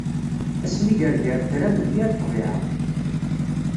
Asniger gar tram d yir ḍḍbiɛa.